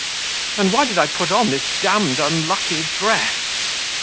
And why did I put on this d d unlucky dress?